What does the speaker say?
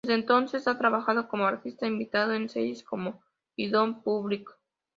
Desde entonces, ha trabajado como artista invitado en series como y Boston Public.